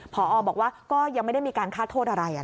พอบอกว่าก็ยังไม่ได้มีการฆ่าโทษอะไร